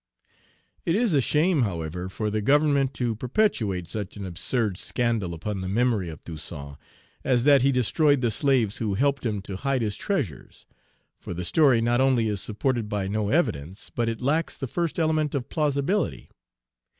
It is a shame, however, for the Government to perpetuate such an absurd scandal upon the memory of Toussaint, as that he destroyed the slaves who helped him to hide his treasures; for the story not only is supported by no evidence, but it lacks the first element of plausibility.